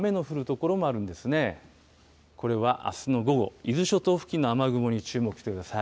これはあすの午後、伊豆諸島付近の雨雲に注目してください。